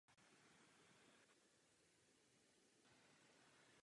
Proto se také této části někdy říkalo Židovská ulice.